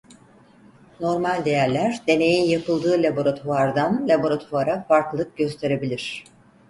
Normal değerler deneyin yapıldığı laboratuvardan laboratuvara farklılık gösterebilir.